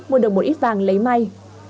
mua được một ít vàng lấy may